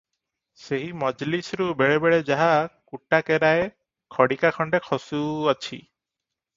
ସେହି ମଜଲିସ୍ରୁ ବେଳେବେଳେ ଯାହା କୁଟାକେରାଏ, ଖଡ଼ିକାଖଣ୍ତେ ଖସୁଅଛି ।